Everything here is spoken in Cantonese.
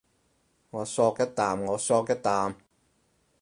你嗦一啖我嗦一啖